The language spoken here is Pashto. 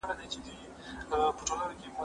زه مخکې منډه وهلې وه،